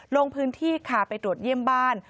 ลงพื้นที่ค่ะไปตรวจเยี่ยมบ้าน